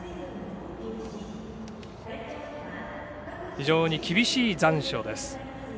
非常に厳しい残暑です。